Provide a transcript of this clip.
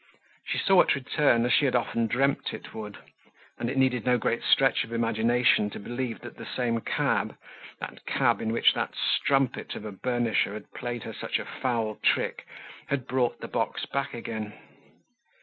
She saw it return as she had often dreamt it would and it needed no great stretch of imagination to believe that the same cab, that cab in which that strumpet of a burnisher had played her such a foul trick, had brought the box back again.